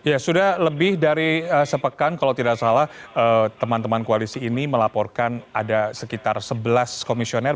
ya sudah lebih dari sepekan kalau tidak salah teman teman koalisi ini melaporkan ada sekitar sebelas komisioner